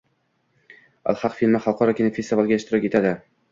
“Ilhaq” filmi xalqaro kinofestivalga ishtirok etading